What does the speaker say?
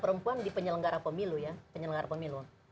tentang keterwakilan perempuan di penyelenggara pemilu ya